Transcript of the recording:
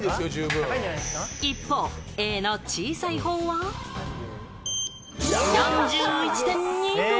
一方、Ａの小さい方は、４１．２度。